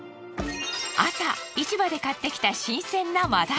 朝市場で買ってきた新鮮な真鯛。